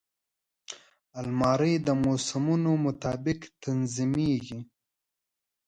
الماري د موسمونو مطابق تنظیمېږي